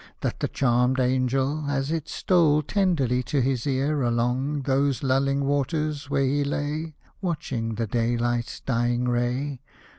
That the charmed Angel, as it stole Tenderly to his ear, along Those lulling waters where he lay, Watching the daylight's dying ray.